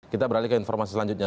kita beralih ke informasi selanjutnya